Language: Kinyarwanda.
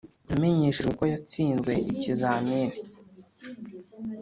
namenyeshejwe ko yatsinzwe ikizamini